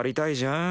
ん？